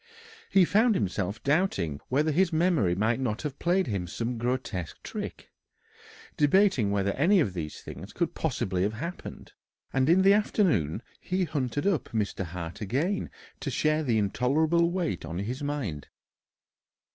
He found himself doubting whether his memory might not have played him some grotesque trick, debating whether any of these things could possibly have happened; and in the afternoon he hunted up Mr. Hart again to share the intolerable weight on his mind.